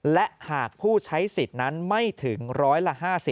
และหากผู้ใช้สิทธิ์นั้นไม่ถึงร้อยละ๕๐